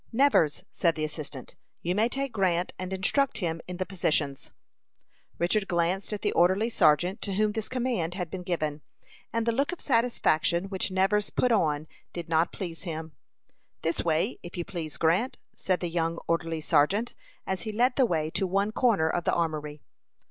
"Nevers," said the assistant, "you may take Grant and instruct him in the positions." Richard glanced at the orderly sergeant to whom this command had been given, and the look of satisfaction which Nevers put on did not please him. "This way, if you please, Grant," said the young orderly sergeant, as he led the way to one corner of the armory.